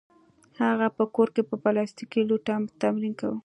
هغه په کور کې په پلاستیکي لوټه تمرین کاوه